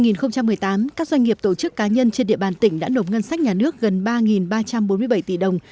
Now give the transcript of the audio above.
năm hai nghìn một mươi tám các doanh nghiệp tổ chức cá nhân trên địa bàn tỉnh đã nộp ngân sách nhà nước gần ba ba trăm bốn mươi bảy tỷ đồng